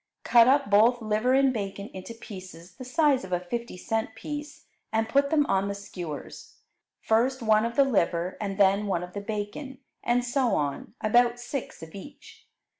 Cut up both liver and bacon into pieces the size of a fifty cent piece and put them on the skewers, first one of the liver and then one of the bacon, and so on, about six of each.